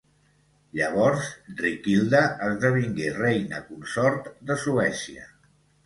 Llavors Riquilda esdevingué Reina consort de Suècia.